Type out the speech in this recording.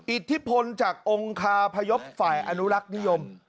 อิทธิพลจากองค์คาพยพฝ่ายอนุรักษ์นิยม